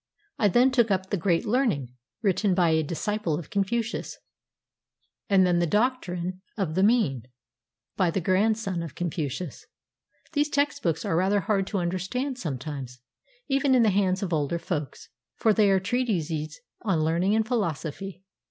I then took up the "Great Learning," written by a disciple of Confucius, and then the "Doctrine of the Mean," by the grandson of Confucius. These text books are rather hard to understand sometimes, even in the hands of older folks; for they are treatises on learning and philosophy.